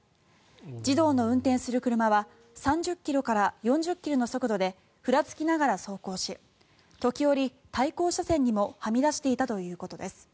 児童の運転する車は３０ｋｍから４０ｋｍの速度でふらつきながら走行し時折、対向車線にもはみ出していたということです。